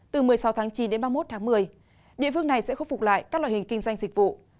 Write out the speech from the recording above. từ một mươi sáu tháng chín đến ba mươi một tháng một mươi địa phương này sẽ khôi phục lại các loại hình kinh doanh dịch vụ